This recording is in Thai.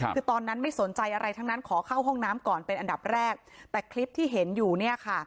คือตอนนั้นไม่สนใจอะไรทั้งนั้นขอเข้าห้องน้ำก่อนเป็นอันดับแรกแต่คลิปที่เห็นอยู่เนี่ยค่ะ